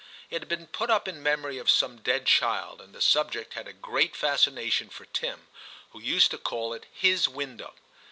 It had been put up in memory of some dead child, and the subject had a great fascination for Tim, who used to call it *his* window.